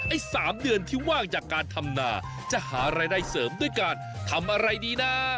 ไอ้๓เดือนที่ว่างจากการทำนาจะหารายได้เสริมด้วยการทำอะไรดีนะ